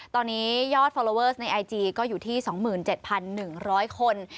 ตอนนี้ยอดฟอร์โลเวอร์ในไอจีก็อยู่ที่สองหมื่นเจ็ดพันหนึ่งร้อยคน